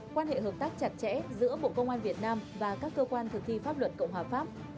quan hệ hợp tác chặt chẽ giữa bộ công an việt nam và các cơ quan thực thi pháp luật cộng hòa pháp